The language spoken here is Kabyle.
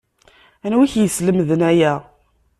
Anwi i k-yeslemden aya?